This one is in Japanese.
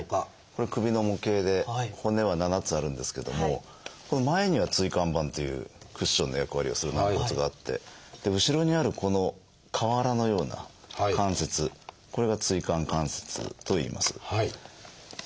これ首の模型で骨は７つあるんですけどもこの前には「椎間板」というクッションの役割をする軟骨があって後ろにあるこの瓦のような関節これが「椎間関節」といいます。